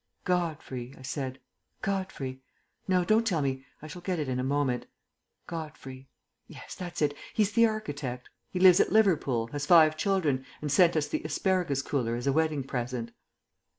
"Godfrey," I said, "Godfrey. No, don't tell me I shall get it in a moment. Godfrey ... Yes, that's it; he's the architect. He lives at Liverpool, has five children, and sent us the asparagus cooler as a wedding present."